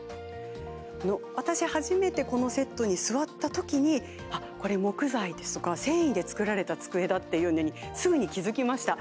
私、初めてこのセットに座ったときにあ、これ木材ですとか繊維で作られた机だっていうのにすぐに気付きました。